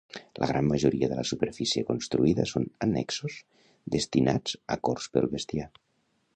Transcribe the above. La gran majoria de la superfície construïda són annexos destinats a corts pel bestiar.